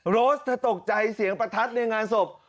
โรสเธอตกใจเสียงประทัดในงานศพ